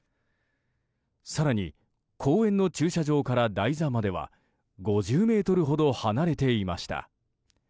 更に、公園の駐車場から台座までは５０ｍほど離れていました。